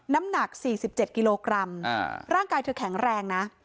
น้ำหนัก๔๗กิโลกรัมร่างกายเธอแข็งแรงนะ